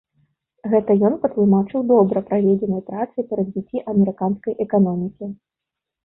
Гэта ён патлумачыў добра праведзенай працай па развіцці амерыканскай эканомікі.